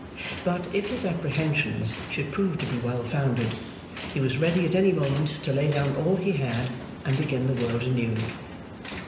But, if his apprehensions should prove to be well founded, he was ready at any moment to lay down all he had, and begin the world anew.